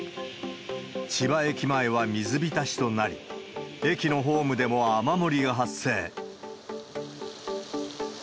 千葉駅前は水浸しとなり、駅のホームでも雨漏りが発生。